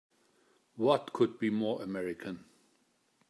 What could be more American!